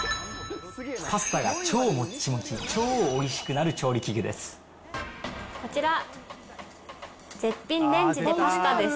パスタが超もっちもち、超おいしくなる調理器具です。